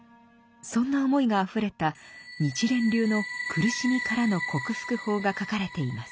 そんな思いがあふれた日蓮流の苦しみからの克服法が書かれています。